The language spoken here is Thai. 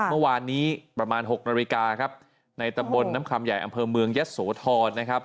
เมื่อวานนี้ประมาณ๖นาฬิกาครับในตำบลน้ำคำใหญ่อำเภอเมืองยะโสธรนะครับ